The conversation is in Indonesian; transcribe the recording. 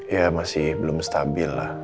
ya masih belum stabil lah